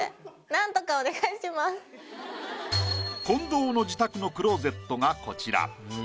近藤の自宅のクローゼットがこちら。